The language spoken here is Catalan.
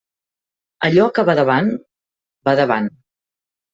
Allò que va davant, va davant.